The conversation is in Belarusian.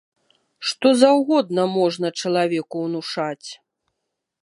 Што заўгодна можна чалавеку ўнушаць.